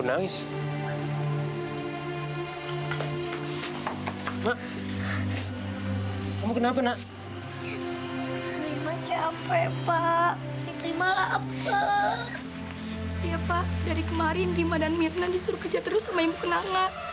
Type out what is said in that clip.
dari kemarin rima dan mirna disuruh kerja terus sama ibu kenanga